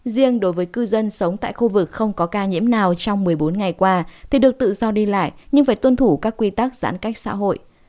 riêng đối với cư dân sống tại khu vực không có ca nhiễm nào trong một mươi bốn ngày qua thì được tự do đi lại nhưng phải tuân thủ các quy tắc giãn cách xã hội